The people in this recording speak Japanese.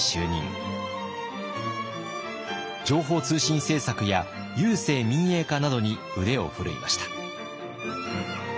情報通信政策や郵政民営化などに腕を振るいました。